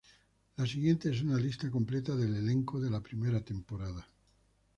La siguiente es una lista completa del elenco de la primera temporada.